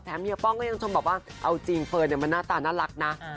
เฮียป้องก็ยังชมแบบว่าเอาจริงเฟิร์นมันหน้าตาน่ารักนะ